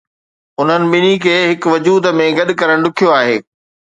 انهن ٻنهي کي هڪ وجود ۾ گڏ ڪرڻ ڏکيو آهي.